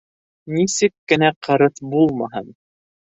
Нисек кенә ҡырыҫ булмаһын